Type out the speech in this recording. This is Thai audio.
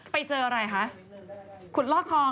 ไปเจออะไรคะขุดลอกคอ